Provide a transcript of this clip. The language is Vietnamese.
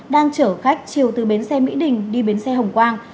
đang chở khách chiều từ bến xe mỹ đình đi bến xe hồng quang